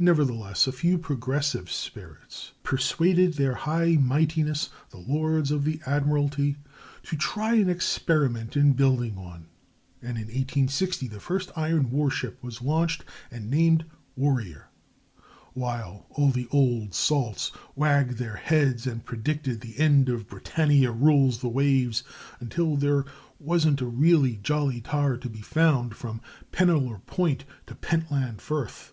Nevertheless a few progressive spirits persuaded their high mightinesses, the Lords of the Admiralty, to try an experiment in building one, and, in 1860, the first iron war ship was launched and named Warrior, while all the old salts wagged their heads and predicted the end of "Britannia rules the waves," until there wasn't a really jolly tar to be found from Penolar Point to Pentland Firth.